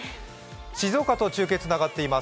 静岡と中継がつながっています。